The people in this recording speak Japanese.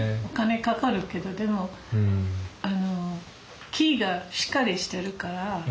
お金かかるけどでも木がしっかりしてるから。